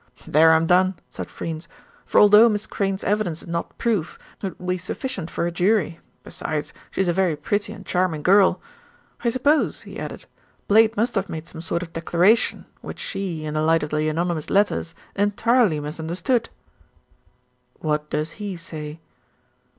"There I'm done," said Freynes, "for although Miss Crayne's evidence is not proof, it will be sufficient for a jury. Besides, she's a very pretty and charming girl. I suppose," he added, "Blade must have made some sort of declaration, which she, in the light of the anonymous letters, entirely misunderstood." "What does he say?"